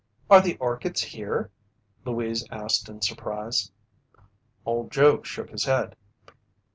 "Are the orchids here?" Louise asked in surprise. Old Joe shook his head.